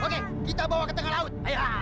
oke kita bawa ke tengah laut